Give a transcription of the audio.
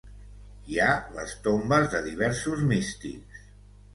Hi ha les tombes de diversos místics.